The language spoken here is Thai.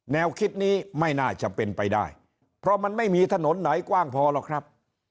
แนวคิดนี้ไม่น่าจะเป็นไปได้เพราะมันไม่มีถนนไหนกว้างพอหรอกครับ